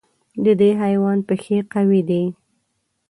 د دې حیوان پښې قوي دي.